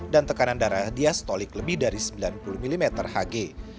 dan tekanan darah diastolik lebih dari sembilan puluh mmhg